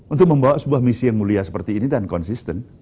untuk membawa sebuah misi yang mulia seperti ini dan konsisten